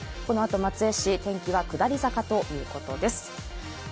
このあと松江市天気は下り坂ということです。